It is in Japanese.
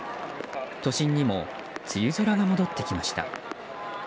都心にも梅雨空が戻ってきました。